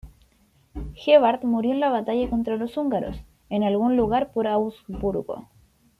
Gebhard, murió en la batalla contra los húngaros, en algún lugar por Augsburgo.